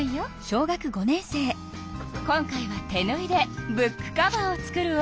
今回は手ぬいでブックカバーを作るわ。